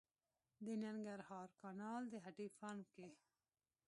د ننګرهار کانال د هډې فارم کې